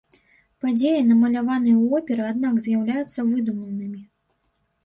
Падзеі, намаляваныя ў оперы, аднак з'яўляюцца выдуманымі.